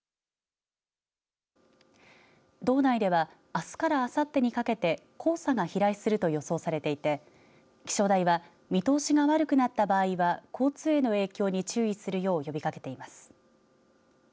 道内ではあすからあさってにかけて黄砂が飛来すると予想されていて気象台は見通しが悪くなった場合は交通への影響に注意するよう呼びかけています。